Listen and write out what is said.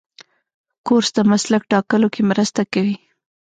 کورس د مسلک ټاکلو کې مرسته کوي.